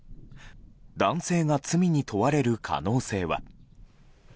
男性が罪に問われる可能性は。